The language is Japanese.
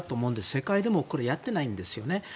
世界でもこれ、やっていないんですよね。